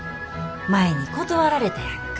前に断られたやんか。